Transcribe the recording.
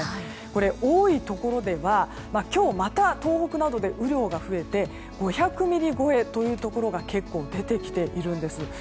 これ、多いところでは今日また東北などで雨量が増えて５００ミリ超えというところが結構出てきているんです。